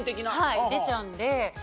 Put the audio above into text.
はい出ちゃうんで。